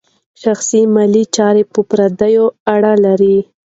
شخصي مالي چارې په فرد پورې اړه لري.